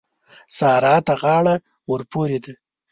سارا ته غاړه ورپورې ده.